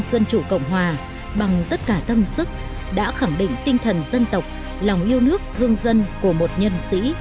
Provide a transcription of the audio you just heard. dân chủ cộng hòa bằng tất cả tâm sức đã khẳng định tinh thần dân tộc lòng yêu nước thương dân của một nhân sĩ